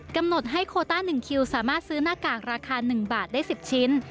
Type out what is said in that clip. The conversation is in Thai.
กำหนดให้โคต้า๑คิวสามารถซื้อหน้ากากราคา๑บาทได้๑๐ชิ้น